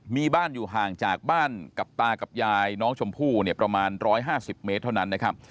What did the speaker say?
มีบ้านอยู่ห่างจากบ้านกับตากับยายน้องชมพู่เนี่ยประมาณ๑๕๐เมตรเท่านั้นนะครับ